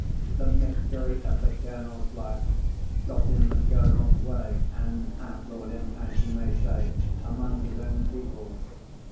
The mystery of the Colonel's life got in the Colonel's way, and outlawed him, as you may say, among his own people.